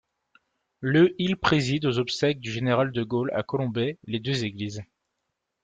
Le il préside aux obsèques du général de Gaulle à Colombey les Deux Églises.